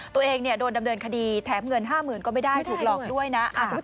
ตัวเองโดนดำเนินคดีแถมเงิน๕๐๐๐ก็ไม่ได้ถูกหลอกด้วยนะ